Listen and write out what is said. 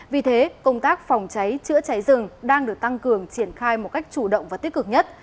vì thế công tác phòng cháy chữa cháy rừng đang được tăng cường triển khai một cách chủ động và tích cực nhất